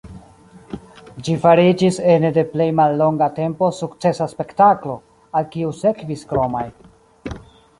Ĝi fariĝis ene de plej mallonga tempo sukcesa spektaklo, al kiu sekvis kromaj.